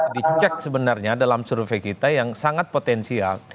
dicek sebenarnya dalam survei kita yang sangat potensial